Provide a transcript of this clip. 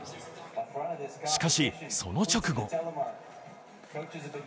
しかし、その直後。